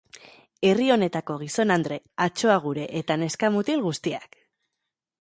Herri honetako gizon-andre, atso-agure eta neska-mutil guztiak.